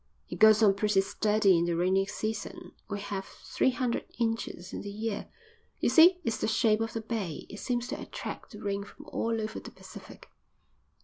"It goes on pretty steady in the rainy season. We have three hundred inches in the year. You see, it's the shape of the bay. It seems to attract the rain from all over the Pacific."